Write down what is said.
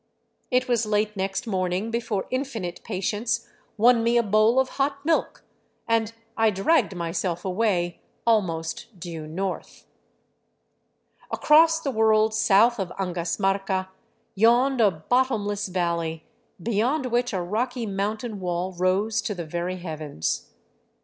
It was late next morning before infinite patience won me a bowl of hot milk, and I dragged myself away almost due north. Across the world 283 VAGABONDING DOWN THE ANDES south of " Angasmarca " yawned a bottomless valley, beyond which a rocky mountain wall rose to the very heavens.